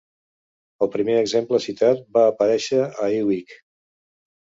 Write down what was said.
El primer exemple citat va aparèixer a eWeek.